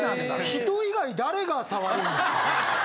人以外誰が触るんですかね。